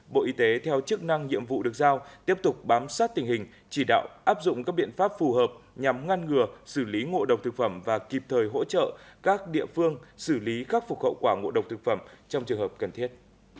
bộ y tế theo chức năng nhiệm vụ được giao tiếp tục bám sát tình hình chỉ đạo áp dụng các biện pháp phù hợp nhằm ngăn ngừa xử lý ngộ độc thực phẩm và kịp thời hỗ trợ các địa phương xử lý khắc phục hậu quả ngộ độc thực phẩm trong trường hợp cần thiết